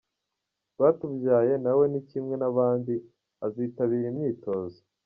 Rwatubyaye na we ni kimwe n’abandi azitabira imyitozo.